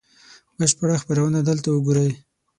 بشپړه خپرونه دلته وګورئ